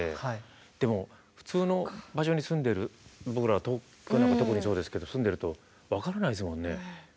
でも普通の場所に住んでる僕ら東京なんか特にそうですけど住んでると分からないですもんね。